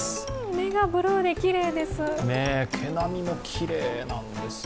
目がブルーできれいです。